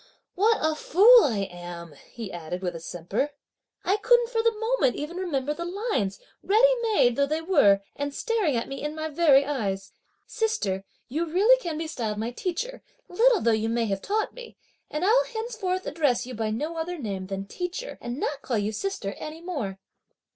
"What a fool I am!" he added with a simper; "I couldn't for the moment even remember the lines, ready made though they were and staring at me in my very eyes! Sister, you really can be styled my teacher, little though you may have taught me, and I'll henceforward address you by no other name than 'teacher,' and not call you 'sister' any more!"